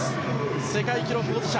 世界記録保持者